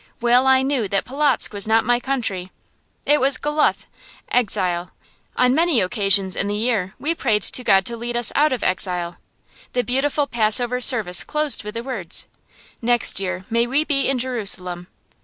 Well I knew that Polotzk was not my country. It was goluth exile. On many occasions in the year we prayed to God to lead us out of exile. The beautiful Passover service closed with the words, "Next year, may we be in Jerusalem."